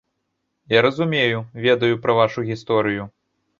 Я разумею, ведаю пра вашу гісторыю.